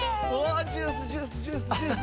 ジュースジュースジュースジュース。